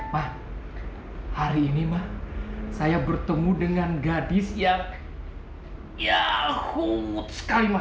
ma hari ini ma saya bertemu dengan gadis yang yaaahumut sekali ma